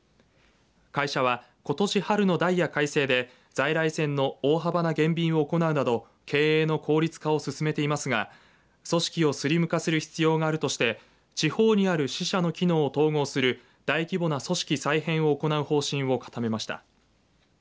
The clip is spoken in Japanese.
会社は、ことし春のダイヤ改正で在来線の大幅な減便を行うなど経営の効率化を進めていますが組織をスリム化する必要があるとして地方にある支社の機能を統合する大規模な組織再編を行う方針を固めました。